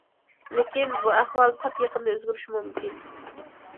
لېكىن بۇ ئەھۋال پات يېقىندا ئۆزگىرىشى مۇمكىن.